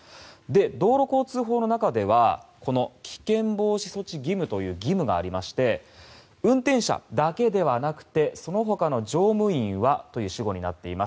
道路交通法の中では危険防止措置義務という義務がありまして運転者だけではなくてそのほかの乗務員はという主語になっています。